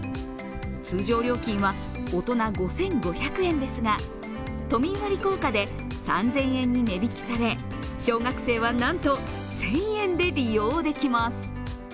通常料金は大人５５００円ですが都民割効果で３０００円に値引きされ、小学生はなんと１０００円で利用できます。